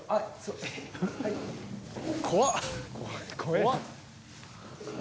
怖っ。